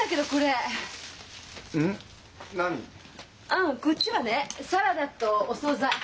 あこっちはねサラダとお総菜。